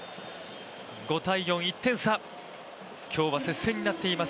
５−４、１点差、今日は接戦になっています